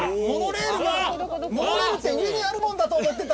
モノレールって上にあるものだと思ってた！